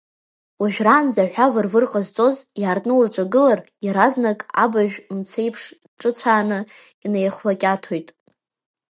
Уажәраанӡа аҳәа выр-выр ҟазҵоз, иаартны урҿагылар, иаразнак абажә мцаеиԥшиҿыцәааны, инеихәлакьаҭоит.